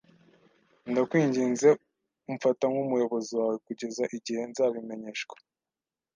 ndakwinginze umfata nk'umuyobozi wawe kugeza igihe nzabimenyeshwa. ”